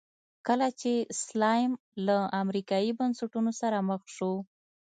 کله چې سلایم له امریکایي بنسټونو سره مخ شو.